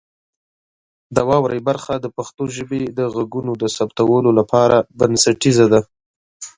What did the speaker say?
د واورئ برخه د پښتو ژبې د غږونو د ثبتولو لپاره بنسټیزه ده.